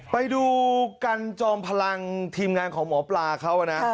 ไปดูกันจอมพลังทีมงานของหมอปลาเขานะ